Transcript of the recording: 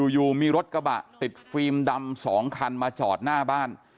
อยู่มีรถกระบะติดฟิล์มดำ๒คันมาจอดหน้าบ้าน